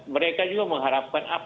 mereka juga mengharapkan